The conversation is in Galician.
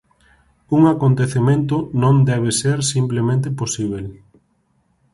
Un acontecemento non debe ser simplemente posíbel.